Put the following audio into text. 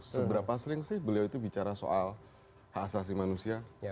seberapa sering sih beliau itu bicara soal hak asasi manusia